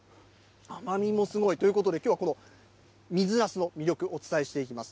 甘みもすごい。ということで、きょうはこの水なすの魅力、お伝えしていきます。